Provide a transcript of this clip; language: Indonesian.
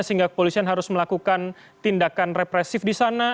sehingga kepolisian harus melakukan tindakan represif di sana